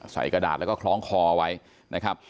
กระดาษแล้วก็คล้องคอไว้นะครับ